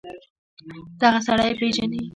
دغه سړى پېژنې.